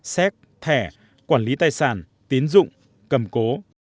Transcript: xét thẻ quản lý tài sản tín dụng cầm cố